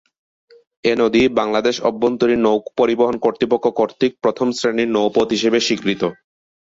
এ নদী বাংলাদেশ অভ্যন্তরীণ নৌপরিবহন কর্তৃপক্ষ কর্তৃক প্রথম শ্রেণির নৌপথ হিসেবে স্বীকৃত।